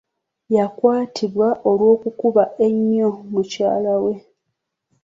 Yakwatibwa olw'okukuba ennyo mukyala we.